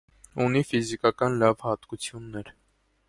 Ունի ֆիզիկական լավ հատկություններ։